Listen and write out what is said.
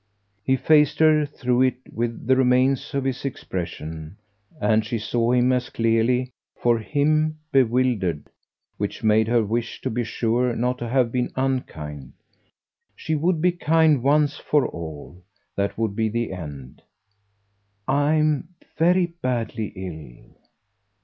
He faced her through it with the remains of his expression, and she saw him as clearly for HIM bewildered; which made her wish to be sure not to have been unkind. She would be kind once for all; that would be the end. "I'm very badly ill."